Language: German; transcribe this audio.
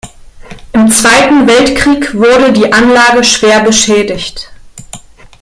Im Zweiten Weltkrieg wurde die Anlage schwer beschädigt.